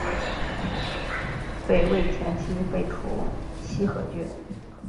北魏前期废除西河郡。